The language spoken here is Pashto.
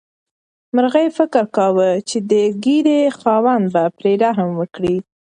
مرغۍ فکر کاوه چې د ږیرې خاوند به پرې رحم وکړي.